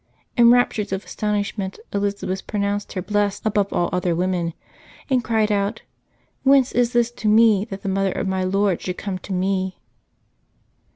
In raptures of astonishment Elizabeth pro nounced her blessed above all other women, and cried out, " Whence is this to me that the mother of my Lord should come to me?"